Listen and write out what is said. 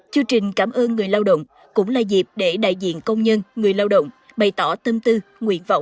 chương trình cảm ơn người lao động cũng là dịp để đại diện công nhân người lao động bày tỏ tâm tư nguyện vọng